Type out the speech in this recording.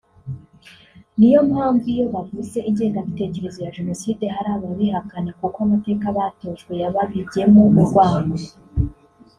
ni yo mpanvu iyo bavuze ingengabitekerezo ya Jenoside hari ababihakana kuko amateka batojwe yababibyemo urwango